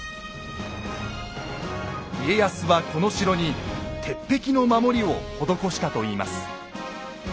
家康はこの城に鉄壁の守りを施したといいます。